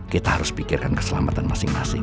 kita harus pikirkan keselamatan masing masing